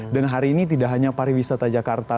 dan hari ini tidak hanya pariwisata jakarta